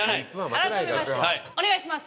改めましてお願いします！